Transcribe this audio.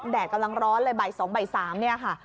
แดดกำลังร้อนเลยบ่าย๒บ่าย๓ค่ะ